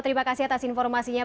terima kasih atas informasinya